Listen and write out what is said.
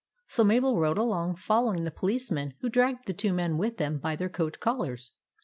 So Mabel rode along, following the police men, who dragged the two men with them by their coat collars.